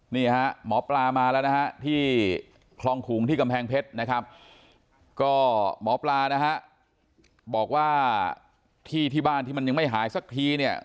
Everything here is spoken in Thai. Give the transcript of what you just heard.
หมอปลามาแล้วนะฮะที่คลองขุงที่กำแพงเพชรนะครับก็หมอปลานะฮะบอกว่าที่ที่บ้านที่มันยังไม่หายสักทีเนี่ย